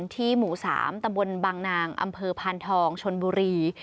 หมู่๓ตำบลบางนางอำเภอพานทองชนบุรี